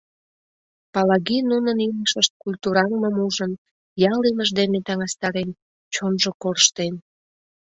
Палаги нунын илышышт культураҥмым ужын, ял илыш дене таҥастарен, чонжо корштен.